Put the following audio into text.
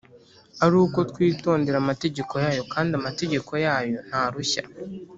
ari uko twitondera amategeko yayo kandi amategeko yayo ntarushya,